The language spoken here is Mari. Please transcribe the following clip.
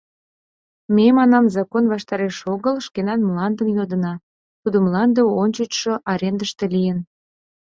«Ме, — манам, — закон ваштареш огыл, шкенан мландым йодына, тудо мланде ончычшо арендыште лийын.